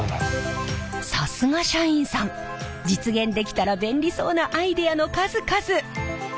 さすが社員さん実現できたら便利そうなアイデアの数々。